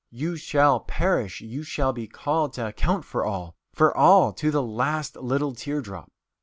You shall perish you shall be called to account for all! For all to the last little tear drop!"